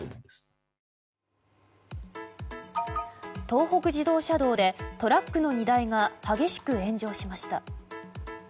東北自動車道でトラックの荷台が激しく炎上しました。